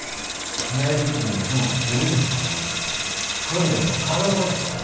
内陸部に雲がずれると考えると訓練は可能だと考えます。